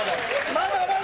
まだまだ。